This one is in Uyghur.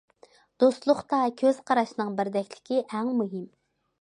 دوستلۇقتا كۆز قاراشنىڭ بىردەكلىكى ئەڭ مۇھىم.